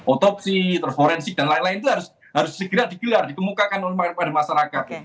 otopsi terforensi dan lain lain itu harus segera digelar dikemukakan kepada masyarakat